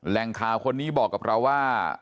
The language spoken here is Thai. แหล่งข่าวคนนี้บอกกับเราว่า